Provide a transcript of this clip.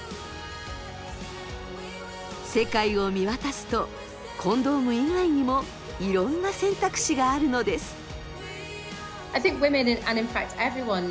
世界を見渡すとコンドーム以外にもいろんな選択肢があるのです。